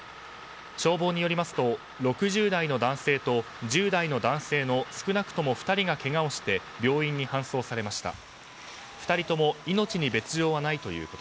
消防によりますと６０代の男性と１０代の男性の少なくとも２人がけがをして病院に搬送されました。